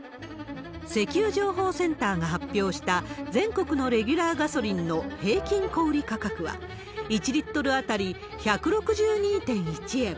石油情報センターが発表した全国のレギュラーガソリンの平均小売価格は、１リットル当たり１６２．１円。